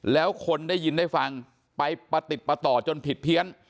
แล้วคนได้ยินได้ฟังไปประติดประต่อจนผิดเพี้ยน